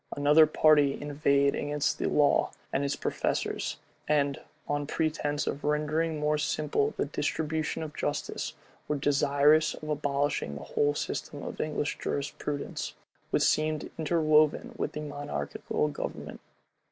Another party inveighed against the law and its professors; and, on pretence of rendering more simple the distribution of justice, were desirous of abolishing the whole system of English jurisprudence, which seemed interwoven with monarchical government.